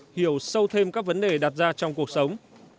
hiểu sâu thêm các vấn đề đặt ra trong cuộc sống